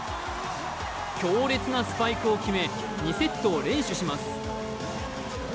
強烈なスパイクを決め２セットを連取します。